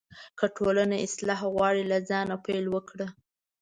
که ټولنه اصلاح غواړې، له ځانه پیل وکړه.